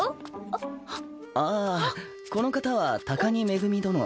ああこの方は高荷恵殿。